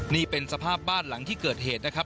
นี่เป็นสภาพบ้านหลังที่เกิดเหตุนะครับ